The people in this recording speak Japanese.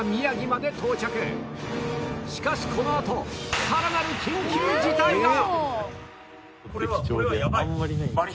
しかしこのあとさらなる緊急事態が！